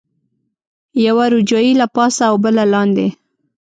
یوه روجایۍ له پاسه او بله لاندې.